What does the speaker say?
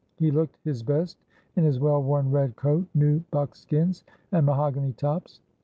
He looked his best in his well worn red coat, new buckskins, and maho gany tops.